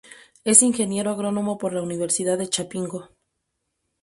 Es ingeniero agrónomo por la Universidad de Chapingo.